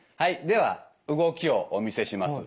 では動きをお見せします。